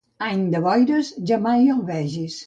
Any de boires, jamai el vegis.